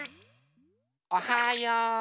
おはよう。